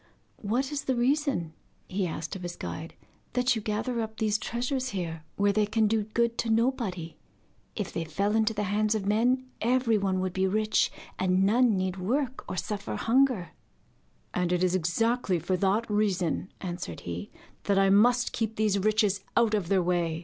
'What is the reason,' he asked of his guide, 'that you gather up these treasures here, where they can do good to nobody? If they fell into the hands of men, everyone would be rich, and none need work or suffer hunger.' 'And it is exactly for that reason,' answered he, 'that I must keep these riches out of their way.